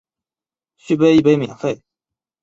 续杯一杯免费